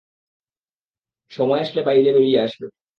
সময় আসলে বাইরে বেরিয়ে আসবে।